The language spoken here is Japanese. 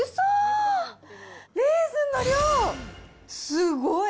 すごい。